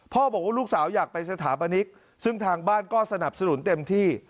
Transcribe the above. บอกว่าลูกสาวอยากไปสถาปนิกซึ่งทางบ้านก็สนับสนุนเต็มที่